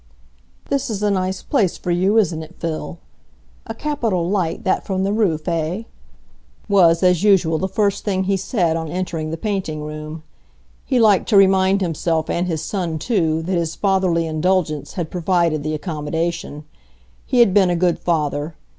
"This is a nice place for you, isn't it, Phil?—a capital light that from the roof, eh?" was, as usual, the first thing he said on entering the painting room. He liked to remind himself and his son too that his fatherly indulgence had provided the accommodation. He had been a good father.